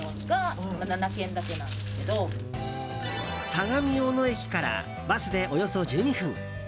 相模大野駅からバスでおよそ１２分。